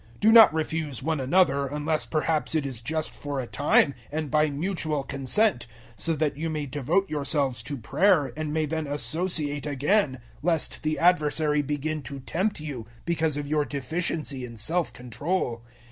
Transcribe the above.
007:005 Do not refuse one another, unless perhaps it is just for a time and by mutual consent, so that you may devote yourselves to prayer and may then associate again; lest the Adversary begin to tempt you because of your deficiency in self control.